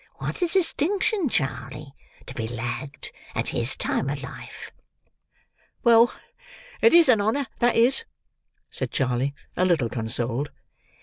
What a distinction, Charley, to be lagged at his time of life!" "Well, it is a honour that is!" said Charley, a little consoled.